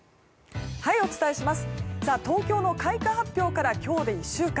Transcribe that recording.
東京の開花発表から今日で１週間。